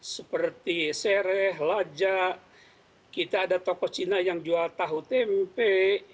seperti sereh lajak kita ada toko cina yang jual tahu tempe